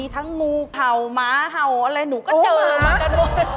ทั้งมูกเผ่าหมาเผ่าอะไรหนูก็เจอมากัน